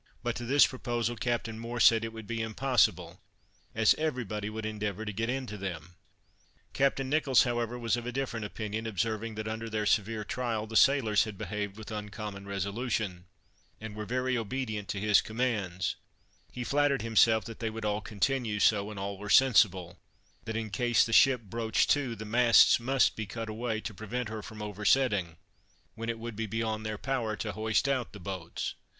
But to this proposal, Captain Moore said it would be impossible, as every body would endeavor to get into them. Captain Nicholls, however, was of a different opinion, observing, that, under their severe trial, the sailors had behaved with uncommon resolution, and were very obedient to his commands, he flattered himself that they would all continue so; and all were sensible, that in case the ship broached to, the masts must be cut away, to prevent her from oversetting; when it would be beyond their power to hoist out the boats.